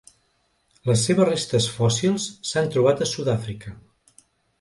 Les seves restes fòssils s'han trobat a Sud-àfrica.